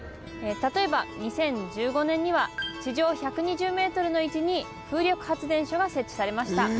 例えば２０１５年には地上１２０ｍの位置に風力発電所が設置されました